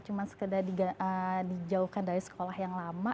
cuma sekedar dijauhkan dari sekolah yang lama